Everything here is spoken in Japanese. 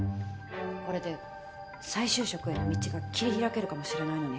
これで再就職への道が切り開けるかもしれないのに。